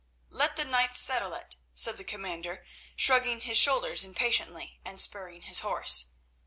"Let the knights settle it," said the commander, shrugging his shoulders impatiently and spurring his horse.